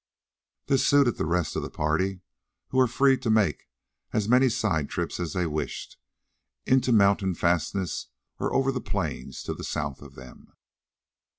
This suited the rest of the party, who were free to make as many side trips as they wished, into mountain fastnesses or over the plains to the south of them.